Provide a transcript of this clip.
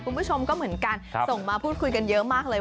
คุณผู้ชมก็เหมือนกันส่งมาพูดคุยกันเยอะมากเลย